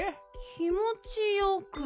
気もちよく。